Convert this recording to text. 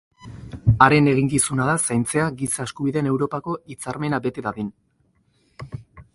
Haren eginkizuna da zaintzea Giza Eskubideen Europako Hitzarmena bete dadin.